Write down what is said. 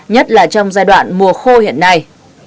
nhất là trong giai đoạn mùa khô hiện nay